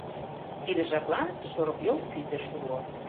Тиде жаплан шорыкйол пӱтӧ шуо.